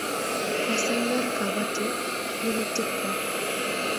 kosember kobotik rututik kwai